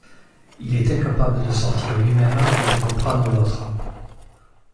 Il est incapable de sortir de lui-même ou de comprendre l'autre.